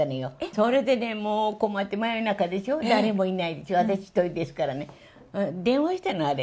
それでね、もう、困って、真夜中でしょ、誰もいないでしょ、私一人ですからね、電話したの、あれ。